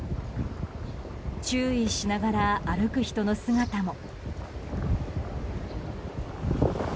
注意しながら歩く人の姿も。